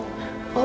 masa sih mampu